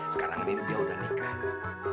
sekarang ini dia udah nikah